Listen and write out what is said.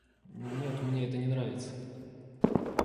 Нет, мне это не нравится.